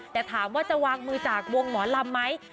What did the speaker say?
แต่ถามว่าจะวางมือจากวงหมอลำไหม